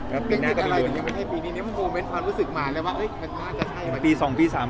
แต่คิดอะไรอย่างงี้ไม่ใช่ปีนี้เนี่ยมึงโปรเมนต์ความรู้สึกมาเลยว่ามันอาจจะใช่ไหม